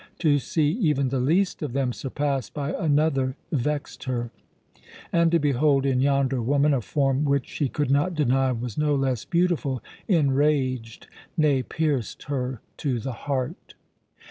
To see even the least of them surpassed by another vexed her; and to behold in yonder woman a form which she could not deny was no less beautiful, enraged, nay, pierced her to the heart.